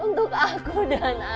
untuk aku dan alia